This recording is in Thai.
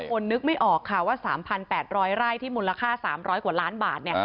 คนนึกไม่ออกค่ะว่า๓๘๐๐ไร่ที่มูลค่า๓๐๐กว่าล้านบาทเนี่ย